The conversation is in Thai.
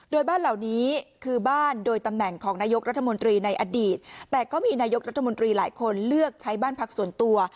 โดยบ้านเหล่านี้คือบ้านโดยตำแหน่งของนายกรัฐมนตรีในอดีตแต่ก็มีนายกรัฐมนตรีหลายคนเลือกใช้บ้านพักส่วนตัว